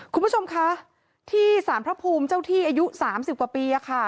คุณผู้ชมค่ะที่ศาลพระภูมิเจ้าที่อายุสามสิบกว่าปีอ่ะค่ะ